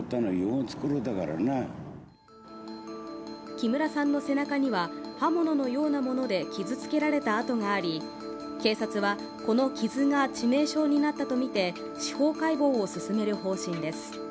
木村さんの背中には刃物のようなもので傷つけられた痕があり警察はこの傷が致命傷になったとみて司法解剖を進める方針です。